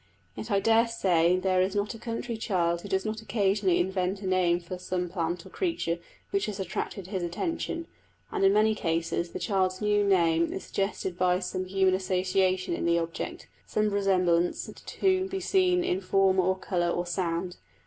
Yet I daresay there is not a country child who does not occasionally invent a name for some plant or creature which has attracted his attention; and in many cases the child's new name is suggested by some human association in the object some resemblance to be seen in form or colour or sound.